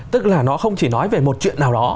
tức là nó không chỉ nói về một chuyện nào đó